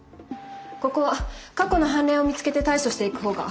ここは過去の判例を見つけて対処していく方が。